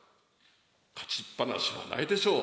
勝ちっ放しはないでしょう。